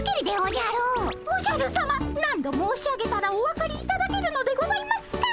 おじゃるさま何度申し上げたらお分かりいただけるのでございますか。